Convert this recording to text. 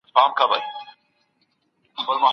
د ميرمني سره ښه ژوند کول فرض دي.